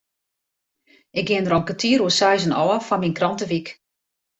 Ik gean der om kertier oer seizen ôf foar myn krantewyk.